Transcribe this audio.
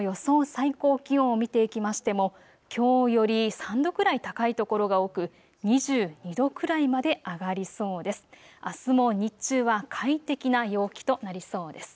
最高気温を見ていきましても、きょうより３度くらい高い所が多く、２２度くらいまで上がりそうです。